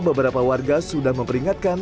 beberapa warga sudah memperingatkan